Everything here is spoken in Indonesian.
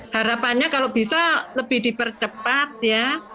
harapannya kalau bisa lebih dipercepat ya